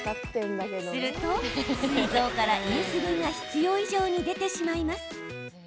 すると、すい臓からインスリンが必要以上に出てしまいます。